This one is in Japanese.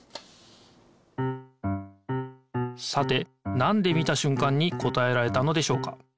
さてなんで見たしゅんかんに答えられたのでしょうか？